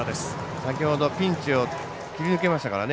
先ほど、ピンチを切り抜けましたからね。